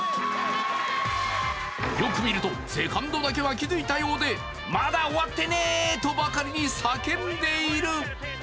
よく見ると、セカンドだけは気づいたようでまだ終わってねえ！とばかりに叫んでいる。